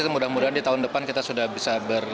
mudah mudahan di tahun depan kita sudah bisa